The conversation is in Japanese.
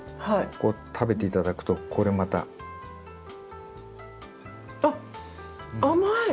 こう食べて頂くとこれまた。あっ甘い！